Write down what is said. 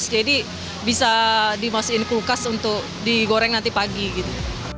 jadi bisa dimasukin ke kulkas untuk digoreng nanti pagi gitu